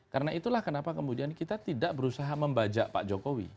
karena itulah kenapa kemudian kita tidak berusaha membajak